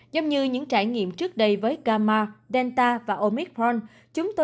giống như những trải nghiệm trước đây với gama delta và omicron